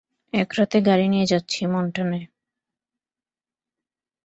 এক রাতে গাড়ি নিয়ে যাচ্ছি মন্টানায়।